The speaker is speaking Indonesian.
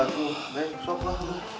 neng sop lah